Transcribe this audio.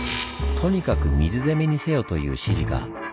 「とにかく水攻めにせよ」という指示が。